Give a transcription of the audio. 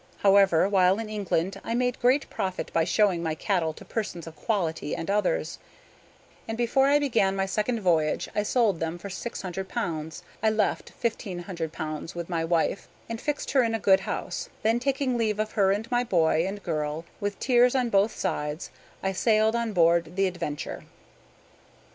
However, while in England I made great profit by showing my cattle to persons of quality and others; and before I began my second voyage I sold them for 600_l_. I left 1500_l_. with my wife, and fixed her in a good house; then taking leave of her and my boy and girl, with tears on both sides, I sailed on board the "Adventure."